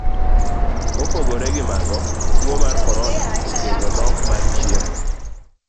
Mopogore gi mago, tuo mar korona okelo nok mar chiemo.